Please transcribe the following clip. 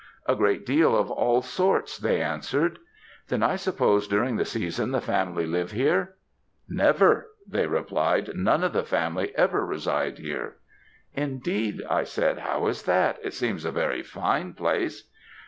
"'A great deal of all sorts,' they answered. "'Then I suppose during the season the family live here?' "'Never,' they replied. 'None of the family ever reside here.' "'Indeed!' I said; how is that? It seems a very fine place.'